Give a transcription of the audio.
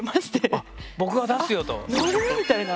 あっ僕が出すよと。